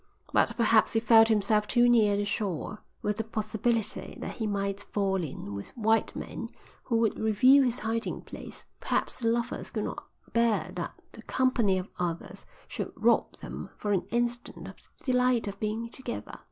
But perhaps he felt himself too near the shore, with the possibility that he might fall in with white men who would reveal his hiding place; perhaps the lovers could not bear that the company of others should rob them for an instant of the delight of being together.